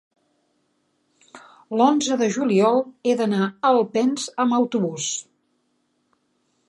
l'onze de juliol he d'anar a Alpens amb autobús.